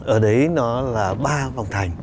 ở đấy nó là ba vòng thành